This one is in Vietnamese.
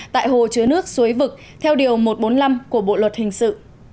tại hồ chứa nước suối vực theo điều một trăm bốn mươi năm của bộ luật hình sự